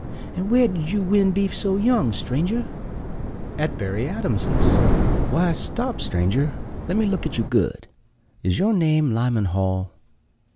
"And where did you win beef so young, stranger?" "At Berry Adams's." "Why, stop, stranger, let me look at you good! Is your name Lyman Hall?"